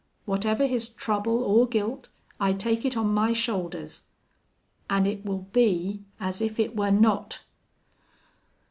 Whatever his trouble or guilt, I take it on my shoulders. An' it will be as if it were not!"